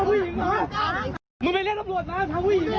มึงไปเรียกอปหรวจนะทางผู้หญิงนี่